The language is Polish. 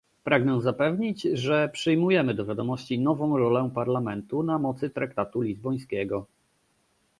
Pragnę zapewnić, że przyjmujemy do wiadomości nową rolę Parlamentu na mocy traktatu lizbońskiego